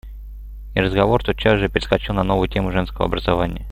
И разговор тотчас же перескочил на новую тему женского образования.